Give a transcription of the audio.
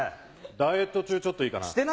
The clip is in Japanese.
ダイエット中ちょっといいかな？